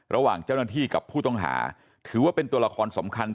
ระหว่างเจ้าหน้าที่กับผู้ต้องหาถือว่าเป็นตัวละครสำคัญ